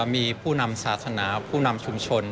มีผู้นำศาสนาผู้นำชุมชน